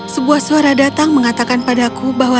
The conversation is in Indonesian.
sebuah suara datang mengatakan padaku bahwa